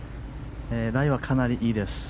ライはかなりいいです。